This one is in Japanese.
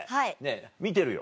見てるよ。